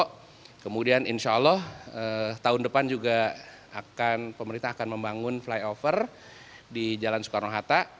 kemudian insya allah tahun depan juga akan pemerintah akan membangun flyover di jalan soekarno hatta